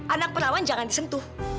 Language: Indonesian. anak perawan jangan disentuh